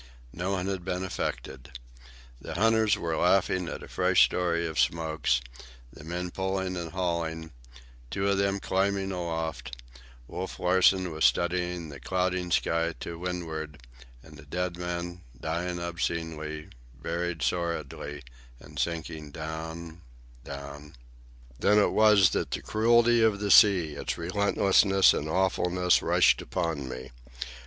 Nobody had been affected. The hunters were laughing at a fresh story of Smoke's; the men pulling and hauling, and two of them climbing aloft; Wolf Larsen was studying the clouding sky to windward; and the dead man, dying obscenely, buried sordidly, and sinking down, down— Then it was that the cruelty of the sea, its relentlessness and awfulness, rushed upon me.